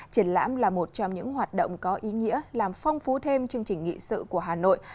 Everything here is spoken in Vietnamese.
triển lãm là một trong những hoạt động có ý nghĩa làm phong phú thêm chương trình nghị sự của hà nội